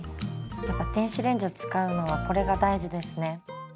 やっぱ電子レンジを使うのはこれが大事ですね。